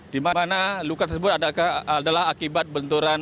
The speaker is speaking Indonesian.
dimana luka tersebut adalah akibat benturan perang